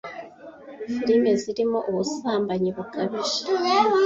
filime zirimo ubusambanyi bukabije